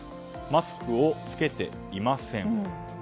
マスクを着けていません。